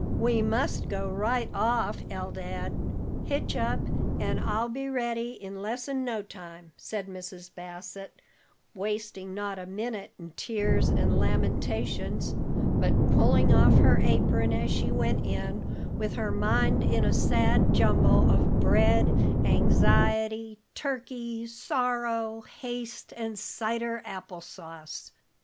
"We must go right off, Eldad. Hitch up, and I'll be ready in less'n no time," said Mrs. Bassett, wasting not a minute in tears and lamentations, but pulling off her apron as she went in, with her mind in a sad jumble of bread, anxiety, turkey, sorrow, haste, and cider apple sauce.